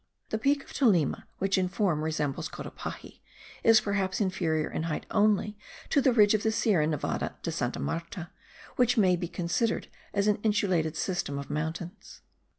The peak of Tolima, which in form resembles Cotapaxi, is perhaps inferior in height only to the ridge of the Sierra Nevada de Santa Marta, which may be considered as an insulated system of mountains.